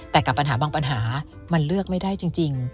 แต่กับปัญหาบางปัญหามันเลือกไม่ได้จริง